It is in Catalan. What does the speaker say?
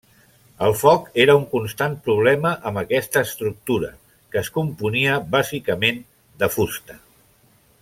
El foc era un constant problema amb aquesta estructura, que es componia bàsicament de fusta.